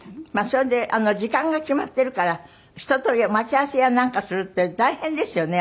それで時間が決まってるから人と待ち合わせやなんかするって大変ですよね